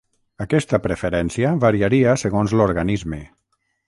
Aquesta preferència variaria segons l'organisme.